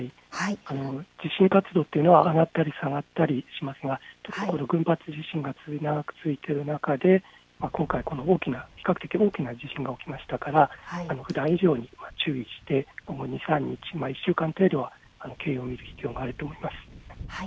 地震活動というのは上がったり下がったりしますが群発地震が非常に長く続いている中で今回大きな比較的大きな地震が起きましたからふだん以上に注意してここ２、３日、１週間程度は注意する必要があると思います。